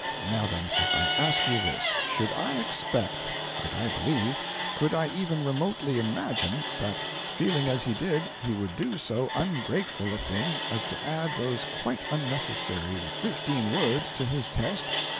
Now, then, I ask you this; could I expect could I believe could I even remotely imagine that, feeling as he did, he would do so ungrateful a thing as to add those quite unnecessary fifteen words to his test?